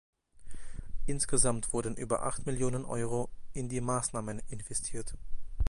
Insgesamt wurden über acht Millionen Euro in die Maßnahmen investiert.